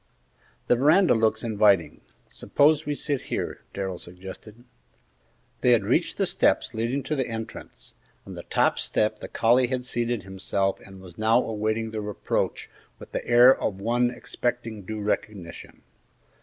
"The veranda looks inviting; suppose we sit here," Darrell suggested. They had reached the steps leading to the entrance. On the top step the collie had seated himself and was now awaiting their approach with the air of one expecting due recognition.